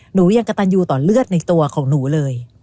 หนูยังกระตันยูต่อเลือดในตัวของหนูเลย